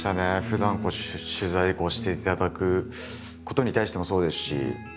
ふだん取材していただくことに対してもそうですし。